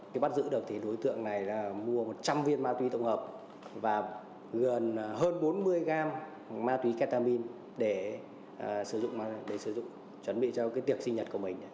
khi bắt giữ được thì đối tượng này mua một trăm linh viên ma túy tổng hợp và gần hơn bốn mươi gram ma túy ketamine để sử dụng chuẩn bị cho tiệc sinh nhật của mình